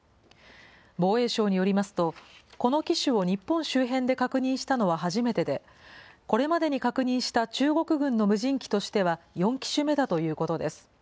防衛省によりますと、この機種を日本周辺で確認したのは初めてで、これまでに確認した中国軍の無人機としては４機種目だということです。